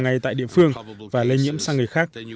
ngay tại địa phương và lây nhiễm sang người khác